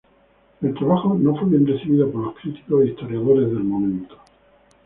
El trabajo no fue bien recibido por los críticos e historiadores del momento.